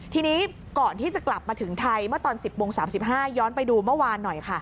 ทีนี้ก่อนที่จะกลับมาถึงไทยเมื่อตอน๑๐โมง๓๕ย้อนไปดูเมื่อวานหน่อยค่ะ